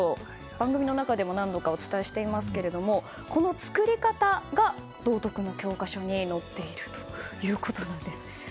番組の中でも何度かお伝えしていますがこの作り方が道徳の教科書に載っているということです。